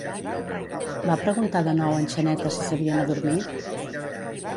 Va preguntar de nou en Xaneta si s'havien adormit?